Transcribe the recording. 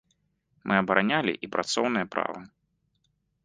Мы абаранялі і працоўныя правы.